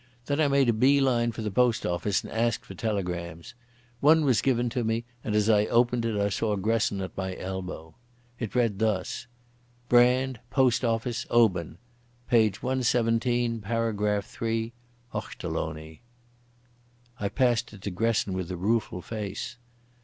Then I made a bee line for the post office, and asked for telegrams. One was given to me, and as I opened it I saw Gresson at my elbow. It ran thus: Brand, Post office, Oban. Page 117, paragraph 3. Ochterlony. I passed it to Gresson with a rueful face.